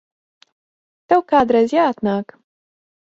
Tev kādreiz jāatnāk.